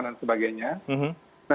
nah pak gris game ya